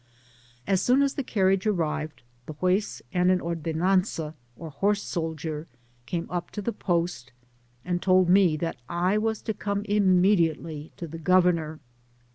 As soon as the carriage arrived, the Juez and an orde nanza, or horse soldier, came up to the post, and told me that I was to come immediately to the gover nor.